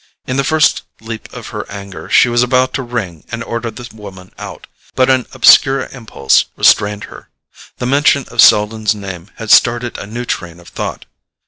In the first leap of her anger she was about to ring and order the woman out; but an obscure impulse restrained her. The mention of Selden's name had started a new train of thought.